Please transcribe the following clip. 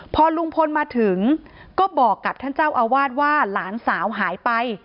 พอลุงพลมาถึงก็บอกกับท่านเจ้าอาวาสว่าหลานสาวหายไป